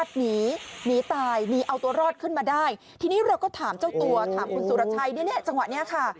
ทีนี้เราก็ถามเจ้าตัวถามคุณสุรชัยจังหวะนี้ค่ะ